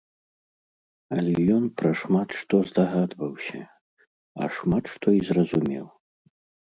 Але ён пра шмат што здагадваўся, а шмат што і зразумеў.